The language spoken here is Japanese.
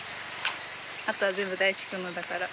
あとは全部大地君のだから。